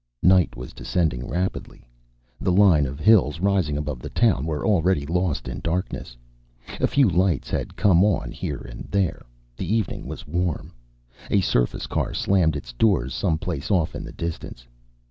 Night was descending rapidly. The line of hills rising above the town were already lost in darkness. A few lights had come on here and there. The evening was warm. A surface car slammed its doors, some place off in the distance.